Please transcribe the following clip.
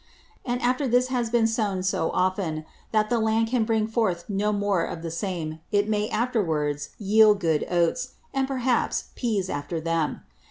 And after this has been sown so often, that the Land can bring forth no more of the same, it may afterwards yield good Oats; and, perhaps, Pease after them.